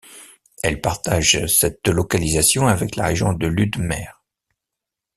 Elle partage cette localisation avec la région de Ludmer.